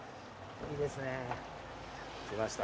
いいですね。来ました。